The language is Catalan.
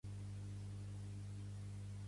Mas serà portat a judici